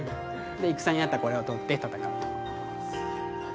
戦になったらこれを取って戦うと。